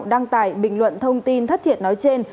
đăng tải bình luận thông tin thất thiệt nói trên